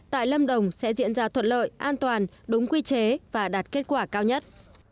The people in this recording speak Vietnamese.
tại lâm đồng sẽ diễn ra thuận lợi an toàn đúng quy chế và đạt kết quả cao nhất